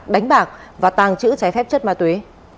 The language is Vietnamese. đánh bạc và tàng trữ trái phép chất ma túy